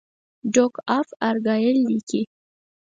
ډوک آف ارګایل لیکي.